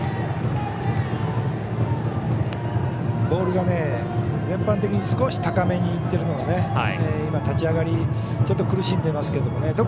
ボールが全般的に少し高めにいっているのが今、立ち上がりちょっと苦しんでますけどね。